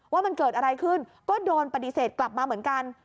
ว่ามันเกิดอะไรขึ้นก็โดนปฏิเสธกลับมาเหมือนกัน